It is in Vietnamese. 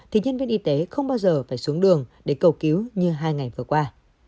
thì nhân viên y tế không bao giờ phải xuống đường để cầu cứu như hai ngày vừa qua